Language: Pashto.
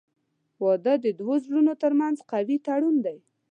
• واده د دوه زړونو ترمنځ قوي تړون دی.